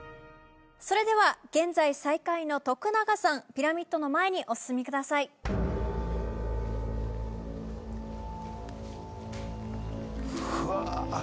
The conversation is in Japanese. それでは現在最下位の徳永さんピラミッドの前にお進みくださいうわー